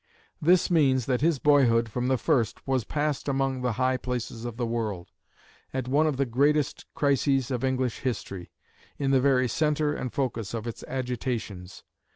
This means that his boyhood from the first was passed among the high places of the world at one of the greatest crises of English history in the very centre and focus of its agitations.